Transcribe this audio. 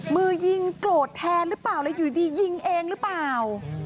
มือยิงโกรธแทนหรือเปล่าเลยอยู่ดียิงเองหรือเปล่า